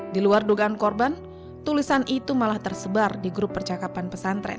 di luar dugaan korban tulisan itu malah tersebar di grup percakapan pesantren